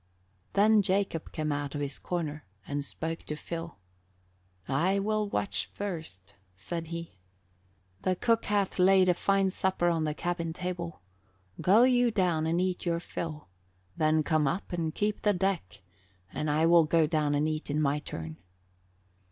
Then Jacob came out of his corner and spoke to Phil. "I will watch first," said he. "The cook hath laid a fine supper on the cabin table. Go you down and eat your fill, then come up and keep the deck and I will go down and eat in my turn."